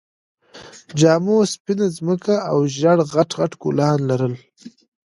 جامو سپينه ځمکه او ژېړ غټ غټ ګلان لرل